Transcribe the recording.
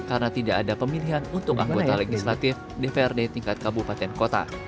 karena tidak ada pemilihan untuk anggota legislatif dprd tingkat kabupaten kota